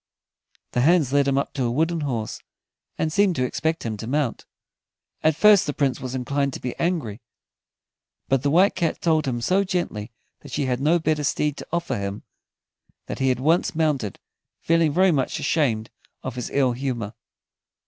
The hands led him up to a wooden horse, and seemed to expect him to mount. At first the Prince was inclined to be angry, but the White Cat told him so gently that she had no better steed to offer him, that he at once mounted, feeling very much ashamed of his ill humor.